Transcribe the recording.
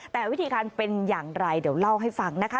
แต่วิธีการเป็นอย่างไรเดี๋ยวเล่าให้ฟังนะคะ